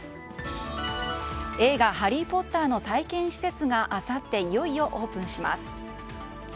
映画「ハリー・ポッター」の体験施設があさっていよいよオープンします。